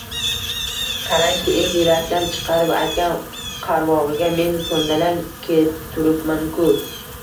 Qarangki, eng yurakdan chiqarib aytgan qarg‘oviga men ko‘ndalang kepturibman-ku